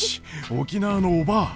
沖縄のおばぁ！